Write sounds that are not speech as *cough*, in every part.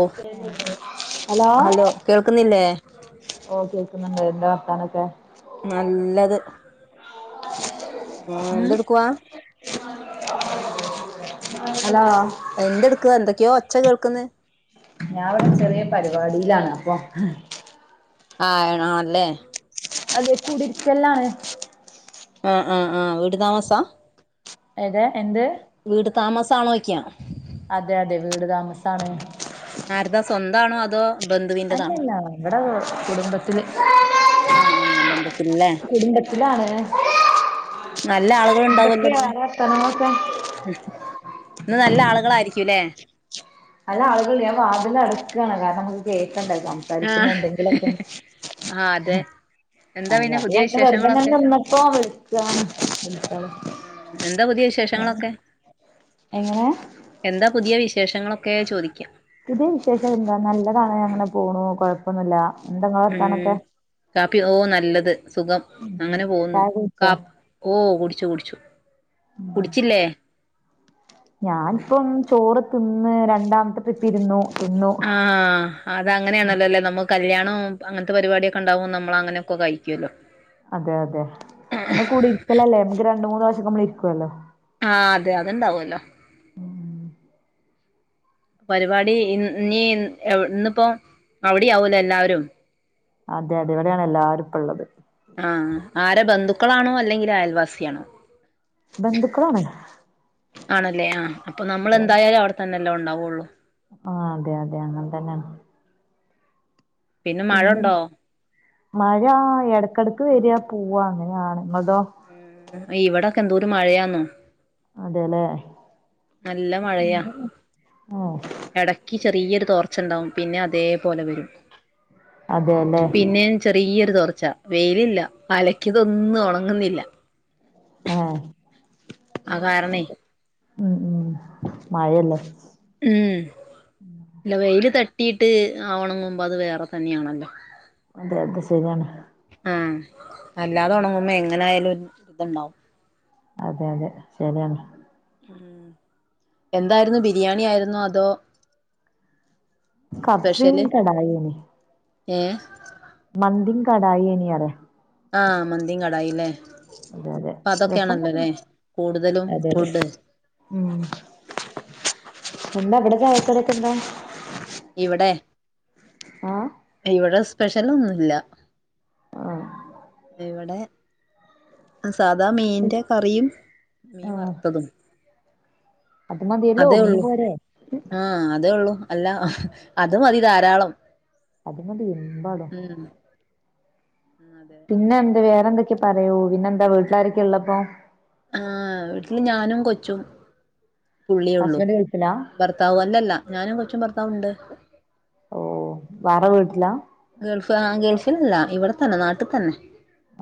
ഓ hello. ഓകേക്കുന്നുണ്ട്എന്താവാർത്താനൊക്കെ? നല്ലത്. ഉം ഹലോ. എന്തെടുക്ക എന്തൊക്കെയോ ഒച്ച കേൾക്കുന്നെ. ഞാൻ ഇവിടെ ചെറിയ പരിപാടിയിലാണ് അപ്പൊ ആ ണോല്ലേ. അതെ കുടിര്ക്കല്ലാണ്. ആഹ് ആഹ് ആഹ് വീട് താമസാ. ഏതാ എന്ത്? വീട് താമസാണോയ്ക്കാ. അതെ അതെ വീട് താമസാണ്. ആര്താ സ്വന്തണോ അതോ ബന്ധുവിന്റെതാണോ? അല്ലല്ല ഇവിടെ കുടുംബ ത്തി ആഹ് ആഹ് ബന്ധത്തിലല്ലേ കുടുംബത്തിലാണ്. നല്ല ആളുകൾ എന്തൊക്കെ ആണ് വർത്തനങ്ങളൊക്കെ? ഉം ഇന്ന് നല്ല ആളുകളായിരിക്കുംല്ലേ? നല്ല ആളുകൾണ്ട് ഞാൻ വാതിൽ അടുക്കാണ് കാരണം നമുക്ക് കേക്കണ്ടെ സം ആഹ് സംസാരിക്കുന്ന എന്തെങ്കിലുമൊക്കെ ആഹ് അതെ ഹെ. എന്താ അയ് പിന്നെ പുതിയ അതങ്ങനെ വെറുതെന വിശേഷങ്ങളൊക്കെ നിന്നപ്പോ വിളിക്ക വിളിച്ചതാ. ഉം എന്താ പുതിയ വിശേഷങ്ങളൊക്കെ? എങ്ങനെ. എന്താ പുതിയ വിശേഷങ്ങളൊക്കെ ചോദിക്കാ. പുതിയ വിശേഷം എന്ത നല്ലതണ് അങ്ങനെ പോണു കുഴപ്പമൊന്നുല്ല. ഉം കാപ്പിയോ നല്ലത് സുഖം അങ്ങനെ പോകുന്നു ചായ കുടിച്ചോ കാപ്പ്. ഓ കുടിച്ചു കുടിച്ചു കുടിച്ചില്ലേ ഞാനിപ്പം ചോറ്തിന്ന് രണ്ടാമത്തെ ട്രിപ്പ് ഇരുന്നു എന്നു ആഹ അതങ്ങനെയാണല്ലോല്ലേ നമ്മ കല്യാണോം അങ്ങനത്തെ പരിപാടിയൊക്കെണ്ടാവുമോ നമ്മളങ്ങനെയൊക്കെ കഴിക്കുമല്ലോ അതെയതെ പിന്നെ കൂടിരിക്കലല്ലേ അമക്ക് രണ്ട് മൂന്ന് വർഷക്കെമ്മള് ഇരിക്കുവല്ലോ ആഹ് അതെ അത്ണ്ടാവല്ലോ *inaudible* പരിപാടി ഇ നീ ഇന്നിപ്പോ അവിടെയാവൂലോ എല്ലാവരും അതെയതെ ഇവിടെയാണ് എല്ലാരുപ്പള്ളത് ആഹ് ആര ബന്ധുക്കളാണോ അല്ലെങ്കിലയൽവാസിയാണോ ബന്ധുക്കളാണ് ആണല്ലേ ആഹ് അപ്പൊ അതെ അതെ നമ്മളെന്തായാലും അവിടെത്തന്നെല്ലെ ഉണ്ടാവുള്ളൂ ആഹ് അതെ അതെ അങ്ങനെ തന്നാണ് മഴ പിന്നെ ഉണ്ടോ മഴ എടക്കെടക്ക് വര്യ പോവാ അങ്ങനെയാണ ഇങ്ങളതോ ഉം ഇവിടൊക്കെ എന്തോരു മഴയാന്നോ അതെല്ലേ നല്ല മഴയാ ഏഹ് ഇടക്ക് ചെറിയൊരു തോർച്ചണ്ടാവും പിന്നെ അതേപോലെ വരും അതെല്ലേ പിന്നെ ചെറിയൊരു തോർച്ച വെയിലില്ല അലക്കിയതൊന്നു ഉണങ്ങുന്നില്ല ഏഹ് ആ കാരണേ ഉം ഉം മഴയല്ലേ ഉം ഇല്ല വെയിൽ തട്ടീട്ട് ആ ഉണങ്ങുമ്പോ അത് വേറെ തന്നെയാണല്ലോ അതെ അതെ ശരിയാണ് ആഹ് അല്ലാതൊണങ്ങുമ്പോ എങ്ങനായാലും ഒര്തൊണ്ടാവും അതെ അതെ ശരിയാണ് ഉം എന്താരുന്നു ബിരിയാണി ആയിരുന്നോ അതോ കബ്സിം കടായി *unintelligible* ഏ മന്തിം കടായിയന്നെയ ആഹ് മന്തിം കടായില്ലേ അതെ അതെ രസണ്ടായിന് ഇപ്പതൊക്കെയാണല്ലോല്ലേ കൂടുതലും അതെ അതെ ഫുഡ് ഉം എന്താ അവിടെ ചായക്കടിക്കെന്താ ഇവിടെ ആഹ് ഇവിടെ സ്പെഷ്യൽ ഒന്നുല്ല ആഹ് ഇവിടെ സാദാ മീന്റെ കറിയും മീൻ ആഹ് വറുത്തതും അത് മതിയല്ലോ അതേ മീൻ ഉള്ളൂ പോരേ ആഹ് അതേ ഉള്ളൂ അല്ല അത് മതി ധാരാളം അതിനത് മ്പടോ ഉം ഉം അതെ പിന്നെ എന്ത്‌ വേറെ എന്തൊക്കെയെ പറയൂ പിന്നെ എന്താ വീട്ടിലാർക്ക് ഉള്ളപ്പോ ആഹ് വീട്ടില് ഞാനും കൊച്ചും പുള്ളിയെള്ളു ഹസ്ബൻഡ് ഗൾഫിലാ ഭർത്താവ് അല്ലല്ല ഞാനും കൊച്ചും ഭർത്താവുണ്ട് ഓ വേറെ വീട്ടിലാ ഗൾഫ് ആഹ് ഗൾഫിലല്ല ഇവിടെത്തന്നെ നാട്ടിൽ തന്നെ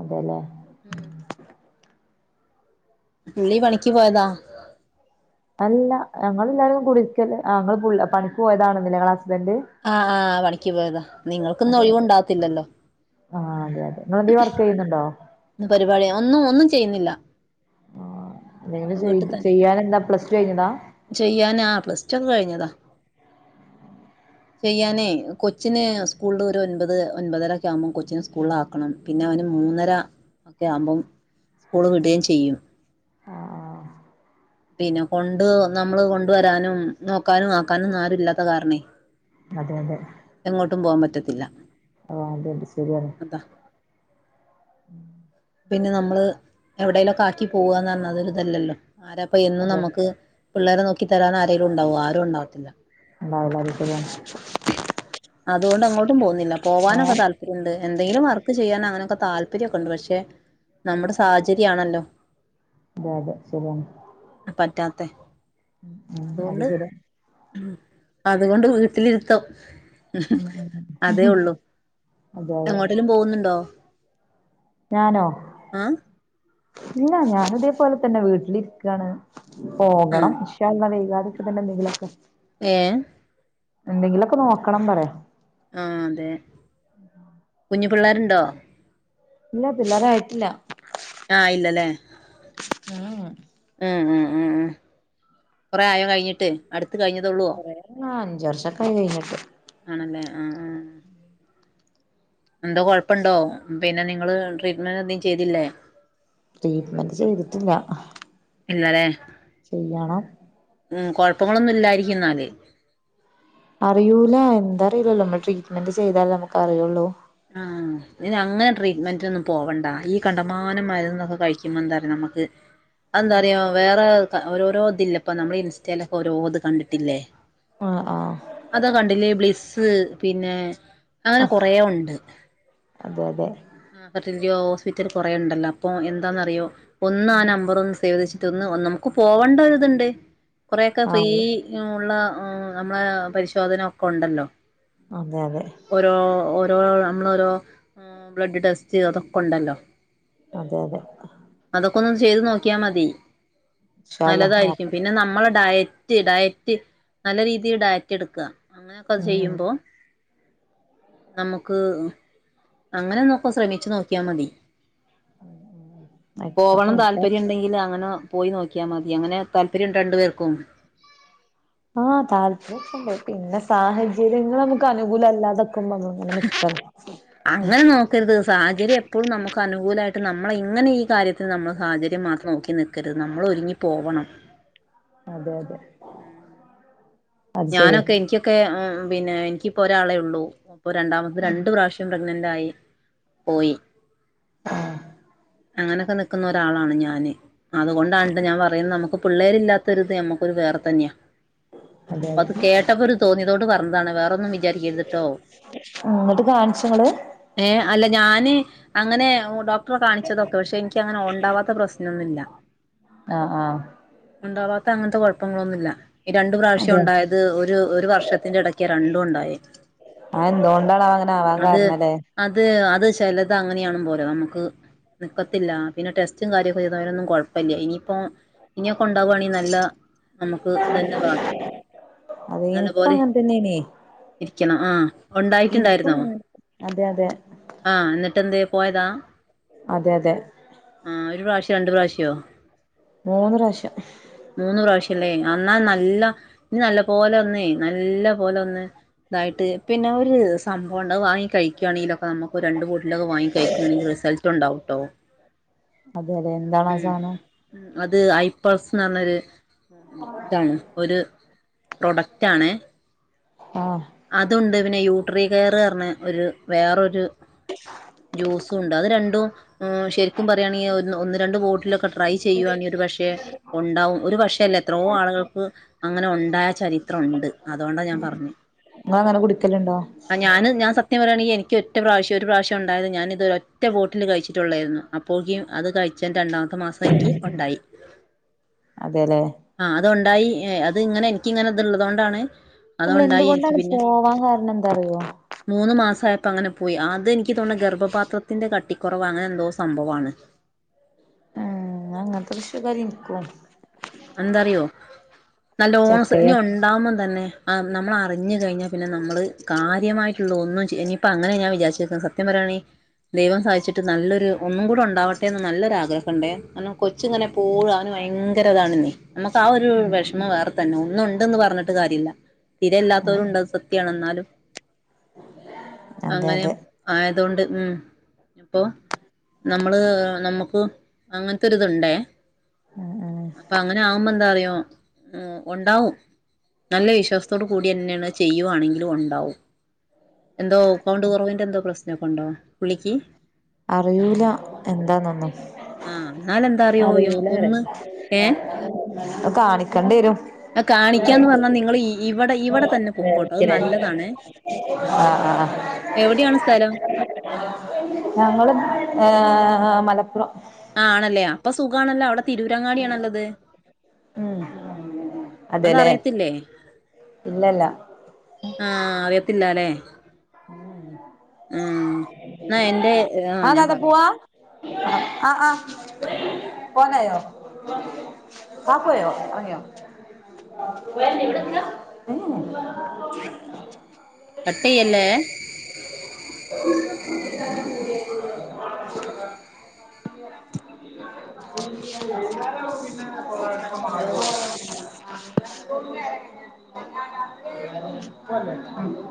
അതേല്ലേ ഉം പുള്ളി പണിക്ക് പോയതാ അല്ല ഞങ്ങൾ എല്ലാവരും കുടിക്കല് ങ്ങള് പണിക്ക് പോയതാണ ങ്ങളെ ഹസ്ബൻഡ് ആഹ് ആഹ് പണിക്ക് പോയതാ നിങ്ങൾക്കൊന്നും അതെ അതെ ഒഴിവുണ്ടാവകത്തില്ലല്ലോ ആഹ് അതെ അതെ ഇങ്ങളെന്തെങ്കിലും വർക്ക് ചെയ്യുന്നുണ്ടോ. പരിപാടി ഒന്നും ഒന്നും ചെയ്യുന്നില്ല. ആഹ് എന്തെങ്കിലും ചെയ് വീട്ടിൽ തന്നെ ചെയ്യാനെന്താ പ്ലസ് ടു കഴിഞ്ഞതാ ചെയ്യാൻ ആ പ്ലസ് ടു ഒക്കെ കഴിഞ്ഞതാ ചെയ്യാനേ കൊച്ചിന് സ്കൂളില് ഒരു ഒൻപത് ഒൻപതര ഒക്കെ ആകുമ്പോം കൊച്ചിനെ സ്കൂളിൽ ആക്കണം പിന്നെ അവന് മൂന്നര ഒക്കെ ആകുമ്പോ സ്കൂള് വിടേം ചെയ്യും ആഹ് ഇതിനെ കൊണ്ട് നമ്മള് കൊണ്ടുവരാനും നോക്കാനും ആക്കാനും ഒന്നും ആരും ഇല്ലാത്ത കാരണേ അതെ അതെ എങ്ങോട്ടും പോവാൻ പറ്റത്തില്ല ആ അത് ശെരിയാണ് അതാ പിന്നെ നമ്മള് എവിടേലൊക്കെ ആക്കി പോവാന്നറഞ്ഞ അതൊരു ഇതല്ലല്ലോ ആരപ്പൊ എന്നും അതെ നന്മക്ക് പിള്ളേരെ നോക്കി തരാൻ ആരേങ്കിലും ഉണ്ടാവോ ആരും ഉണ്ടാവത്തില്ല ഇണ്ടാവൂല അത് ശെരിയാണ് അതുകൊണ്ട് എങ്ങോട്ടും പോകുന്നില്ല പോകാനൊക്കെ ഏഹ് താല്പര്യം ഉണ്ട് എന്തെങ്കിലും വർക്ക് ചെയ്യാൻ അങ്ങനെയൊക്കെ താല്പര്യൊക്കെ ഉണ്ട് പക്ഷെ നമ്മുടെ സാഹചര്യാണല്ലോ ബാഗ് ശെരിയാണ് പറ്റാത്തെ ഉം അതു അത് കൊണ്ട് ശരിയാ മ് അതുകൊണ്ട് വീട്ടിലിരുത്തം ഇഹ് ഉം ഉം ഉം. അതേ ഒള്ളൂ അതെ അതെ എങ്ങോട്ടേ ങ്കിലും പോകുന്നുണ്ടോ ഞാനോ ആഹ് ഇല്ല ഞാനും ഇതേപോലെ തെന്നെ വീട്ടിലിരിക്കാണ് പോകണം ആഹ് ഇൻഷാ അള്ളാ വൈകാതൊക്കെതെന്നെ എന്തെങ്കിലൊക്കെ ഏ എന്തെങ്കിലൊക്കെ നോക്കണം പറയാ ആ അതെ കുഞ്ഞു പിള്ളാരുണ്ടോ ഇല്ല പിള്ളാരായിട്ടില്ല ആഹ് ഇല്ലല്ലേ ഉം ഉം. അഹ് അഹ് അഹ് അഹ് കൊറെ ആയോ കഴിഞ്ഞിട്ട് അടുത്ത് കഴിഞ്ഞതൊള്ളാ കൊറേ ആഹ് അഞ്ച് വർഷൊക്കെ ആയി കഴിഞ്ഞിട്ട് ആണല്ലേ ആഹ്.. ആഹ് എന്തോ കൊഴപ്പം ഉണ്ടോ പിന്നെ നിങ്ങള് ട്രീറ്റ്മെന്റ് എന്തെങ്കിലും ചെയ്തീല്ലേ ട്രീറ്റ്മെന്റ് ചെയ്തിട്ടില്ല ചെയ്യണം മ് കുഴപ്പങ്ങളൊന്നും ഇല്ലായിരിക്കും ഇന്നാല് അറിയൂല എന്താറിയില്ലല്ലോ നമ്മൾ ട്രീറ്റ്മെന്റ് ചെയ്താലാ നമുക്കറിയൊള്ളൂ ആഹ് ഇതിന് അങ്ങനെ ട്രീറ്റ്മെന്റിന് ഒന്നും പോവണ്ട ഈ കണ്ടമാനം മരുന്നും ഇതൊക്കെ കഴിക്കുമ്പോ എന്താറിയോ നമ്മുക്ക് അതെന്താറിയോ വേറെ ഓരോരോ ഇതൊക്കെ ഇല്ലെ ഇപ്പൊ നമ്മൾ ഇൻസ്റ്റെലൊക്കെ ഓരോത് കണ്ടിട്ടില്ലേ ആഹ്.. ആഹ് അതാ കണ്ടില്ലേ ബ്ലിസ്സ് പിന്നെ അങ്ങനെ ആഹ് കൊറേ ഉണ്ട് അതെ അതെ ആഹ് അപ്പൊതിന്റെ ഹോസ്പിറ്റൽ കുറേ ഉണ്ടല്ലോ അപ്പൊ എന്താന്നറിയോ ഒന്ന് ആ നമ്പർ ഒന്ന് സേവ് ചെയ്തു വെച്ചിട്ട് ഒന്ന് നമുക്ക് പോകേണ്ട ഒരു ഇതുണ്ട് കുറെയൊക്കെ ഫ്രീ ആഹ് ഉള്ള നമ്മളെ പരിശോധന ഒക്കെ ഉണ്ടല്ലോ അതെ അതെ ഓരോ ഓരോ നന്മളോരോ ബ്ലഡ് ടെസ്റ്റ് അതൊക്കെ ഉണ്ടല്ലോ അതെ അതെ അതൊക്കെ ഒന്ന് ചെയ്ത് നോക്കിയാൽ മതി ഇൻഷാ അല്ലാഹ് നല്ലതായിരിക്കും. നോക്കാം പിന്നെ നമ്മളെ ഡയറ്റ് ഡയറ്റ് ഡയറ്റ് നല്ല രീതിയിൽ ഡയറ്റ് എടുക്കാ അങ്ങനെയൊക്കെ ഉം ചെയ്യുമ്പോ നമുക്ക് അങ്ങനെ നോക്കോ ശ്രമിച്ചു നോക്കിയാൽ മതി ആയിക്കോട്ടെ പോവണം ഇൻഷാ താല്പര്യം ഒണ്ടെങ്കില് അങ്ങനാ പോയി നോക്കിയാൽ മതി അങ്ങനെ താല്പര്യംഉണ്ടെ രണ്ടു പേർക്കും ആഹ് താല്പര്യം ഒക്കെ ഉണ്ട് പിന്നെ സാഹചര്യങ്ങൾ നമുക്ക് അനുകൂല അല്ലാതപ്പോ *unintelligible* അങ്ങനെ നോക് നിക്കരുത് സാചര്യം എപ്പഴും നമുക്ക് അനുകൂലമായിട്ട് നമ്മള ഇങ്ങനെ ഈ കാര്യത്തിൽ നമ്മ സഹചര്യം മാത്രം നോക്കി നിക്ക ക്കരുത് നമ്മളൊരുങ്ങിപ്പോവണം അതെ അതെ അത് ശരിയാ ഞാനൊക്കെ എനിക്കൊക്കെ പിന്നെ എനിക്കിപ്പോ ഒരാളെ ഉള്ളൂ അപ്പൊ രണ്ടാമത്തെ രണ്ടു പ്രാവ്യ- പ്രെഗ്നന്റായി പോയി ആഹ് അങ്ങനെയൊക്കെ നിൽക്കുന്ന ഒരാളാണ് ഞാന് അതുകൊണ്ടാണ് ട്ടൊ ഞാൻ പറയുന്നത് നമുക്ക് പിള്ളേരില്ലത്ത ഒരുരിത് ഞമ്മക്കൊരു വേറെ തന്നെയാ അതെ അതെ അത് കേട്ടപ്പോ ഒരു തോന്നിയതോട് പറഞ്ഞതാണ് വേറൊന്നും വിചാരിക്കരുതിട്ടോ *unintelligible* മ് എന്നിട്ട് കാണിച്ചങ്ങള്? ഏഹ് അല്ല ഞാന് അങ്ങനെ *unintelligible* ഡോക്- കാണിച്ചതൊക്കെ പക്ഷെ എനിക്ക് അങ്ങനെ ഒണ്ടാവാത്തെ പ്രശ്നമൊന്നുല്ല. ആഹ് ആഹ് ഉണ്ടാവാത്ത അങ്ങനത്തെ കുഴപ്പങ്ങളൊന്നുല്ല ഈ ര- രണ്ട്‌ പ്രാവശ്യം അതെ ഉണ്ടായത് ഒരു ഒരു വർഷത്തിന്റെറെ ഇടയ്ക്ക് രണ്ടും ണ്ടായി. അതെന്ദ് കൊണ്ടാ അങ്ങനെ ആവാൻ കാരണംല്ലേ? അത് അത് ചെലത് അങ്ങനെയാണ് പോലും നമുക്ക് നിക്കത്തില്ല പിന്നെ ടെസ്റ്റും കാര്യൊക്കെ ചെയ്‌തു ആയിലൊന്നും കോഴപ്പമില്ല ഇനിയിപ്പോ ഇനിയൊക്കെ ഒണ്ടാകവാണെങ്കി നല്ല നമുക്ക് ഇത് തന്നെ വാണ് അതെ ഇനിക്കും അങ്ങനെ തന്നെയനു ഇരിക്കണം ആഹ് ഉണ്ടായിട്ടുണ്ടായിരുന്നുവോ അങ്ങനെ അതെ അതെ ആഹ് എന്നിട്ട് എന്ത് പോയതാ? അതെ അതെ ആ് ഒരു പ്രാവശ്യം രണ്ട് പ്രാവശ്യോ? മൂന്ന് പ്രാവശ്യം മൂന്ന് പ്രാവശ്യല്ലേ എന്നാ നല്ല ഇനി നല്ല പോലെ ഒന്നേ നല്ല പോലെ ഒന്ന് ഇതായിട്ട് പിന്നെ ഒരു സംഭവം ഉണ്ട് അത് വാങ്ങി കഴിക്കുവാണീലോ അപ്പോം നമുക്ക് രണ്ട് ബോട്ടിലൊക്കെ വാങ്ങി കഴുകയാണെങ്കിൽ റിസൾട്ട് ഉണ്ടാവുട്ടോ അതെ അതെ എന്താണ് അ സാനം അത് ഐപൾസ്ന്ന് പറഞ്ഞൊരു താണ് ഒരു പ്രൊഡക്റ്റ് ആണേ ആഹ് അതുണ്ട് പിന്നെ യൂട്രി കെയർ അറഞ്ഞ ഒരു വേറൊരു ജ്യൂസും ഉണ്ട് അത് രണ്ടും ആഹാ ശരിക്കും പറയാണെയെ ഒ ഒന്ന് രണ്ടു ബോട്ടിലൊക്കെ ട്രൈ ചെയ്യുവാണെ ഒരു പക്ഷെ ഒണ്ടാവും ഒരു പക്ഷേല്ല എത്രോ ആളുകൾക്ക് അങ്ങനെ ഒണ്ടായ ചരിത്രം ഒണ്ട് അതുകൊണ്ടാ ഞാൻ പറഞ്ഞെ ഇങ്ങ അങ്ങനെ കുടിക്കലുണ്ടോ? അ ഞാന് ഞാൻ സത്യം പറുയാണെങ്കി എനിക്ക് ഒറ്റ പ്രവിശ്യ ഒരു പ്രാവശ്യം ഒണ്ടായത് ഞാൻ ഇത് ഒറ്റ ബോട്ടില് കഴിച്ചിട്ടുള്ളായിരുന്നു അപ്പോകെം അത് കഴിച്ച രണ്ടാമത്തെ മാസം എനിക്ക് ഒണ്ടായി. അതെല്ലേ ആഹ അത്ണ്ടായി എ അത് ഇങ്ങനെ എനിക്കിങ്ങനെ ത് ള്ളത് ഒണ്ടാണ് അല്ല എന്തുകൊണ്ടാണ് പോവാ കാരണം എന്താറിയോ? മൂന്ന് മാസായപ്പോ അങ്ങനെ പോയി അത് എനിക്ക് തോന്നണ് ഗർഭപാത്രത്തിന്റെ കട്ടിക്കുറവ് അങ്ങനെ എന്തോ സംഭവാണ്. അങ്ങൻത്ത പ്രശ്നകാരി ഇൻക്കും എന്താറിയോ നല്ലോണം സ്സ് ഇനി ചക്കയാ ഒണ്ടാവുമ്പം തന്നെ ആഹ് നമ്മൾ അറിഞ്ഞ് കഴിഞ്ഞ പിന്നെ നമ്മൾ കാര്യമായിട്ടുള്ള ഒന്നും ചെയ് ഇനിയിപ്പം അങ്ങനാ ഞാൻ വിചാരിചേക്കുന്നേ സത്യം പറയാണേ ദൈവം സഹായിച്ചിട്ട് നല്ലൊരു ഒന്നും കൂടെ ഒണ്ടാവട്ടെ എന്ന് നല്ലൊരു ആഗ്രഹണ്ടേ ആണോ കൊച്ച് ഇങ്ങനെ എപ്പോഴും അവനു ഭയങ്കര ഇതാണേന്നേ നമുക്ക് ആ ഒരു ഉം വിഷമം വേറെ തന്നെ ഒന്ന് ഉണ്ട് എന്ന് പറഞ്ഞിട്ട് കാര്യല്ല തീരെ ഉം ഇല്ലാത്തവരും ഉണ്ട് അത് സത്യമാണ് എന്നാലും അതെ അങ്ങനെ അതെ ആയതൊണ്ട് ഉം അപ്പോ നമ്മൾ നമുക്കും അങ്ങനത്തെ ഒരിതിണ്ടേ ഉം ഉം അപ്പ അങ്ങനെ ആവുമ്പോ എന്താറിയോ ഉം ഒണ്ടാവും നല്ല വിശ്വാസത്തോടുകൂടി തന്നെയാണ് ചെയ്യുവാണെങ്കില്ല് ഒണ്ടാവും എന്തോ കൗണ്ട് കുറവിൻ്റെ എന്തോ പ്രശ്നോക്കെ ഉണ്ടോ പുള്ളിക്ക് അറിയൂല്ല എന്താന്നൊന്നും ആഹ് എന്നാല എന്താ അറിയോ അറിയൂല്ലല്ലേ ഒന്ന് ഏഹ് അത് കാണിക്കേണ്ടി വരും ആ കാണിക്കാന്ന് പറഞ്ഞാൽ നിങ്ങളീ ആഹ് ആഹ് എവിടെയാണ് സ്ഥലം ഞങ്ങള് ഏങ് മലപ്പുറം ആഹ് ആണല്ലേ അപ്പൊ സുഖണല്ലോ അവിടെ തിരൂരങ്ങാടി ആണല്ലോ ഇത് ഉം അതെല്ലേ ഇല്ലേ ഇല്ലല്ല ആഹ് അറിയത്തില്ലാല്ലെ ഉമ് എന്നാ എന്റെ ആഹ് ഞാൻ പറയാം ആഹ് ആഹ് പോവാനായോ വാപ്പോയോ ഉറങ്ങിയോ ഉമ് കട്ടിയല്ലേ *unintelligible* ഹലോ *unintelligible* *unintelligible*